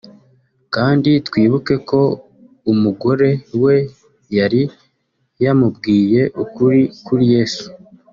Kandi twibuke ko umugore we yari yamubwiye ukuri kuri Yesu